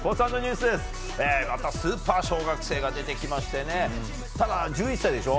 スーパー小学生が出てきましてねただ１１歳でしょ。